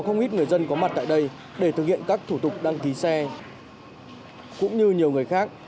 không ít người dân có mặt tại đây để thực hiện các thủ tục đăng ký xe cũng như nhiều người khác